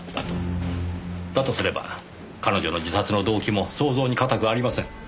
だとすれば彼女の自殺の動機も想像に難くありません。